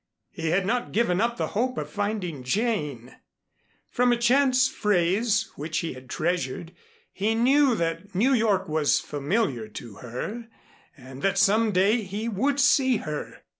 He had not given up the hope of finding Jane. From a chance phrase, which he had treasured, he knew that New York was familiar to her and that some day he would see her.